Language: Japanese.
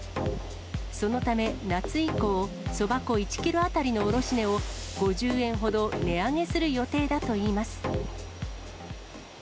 そのため夏以降、そば粉１キロ当たりの卸値を５０円ほど値上げする予定だといいます。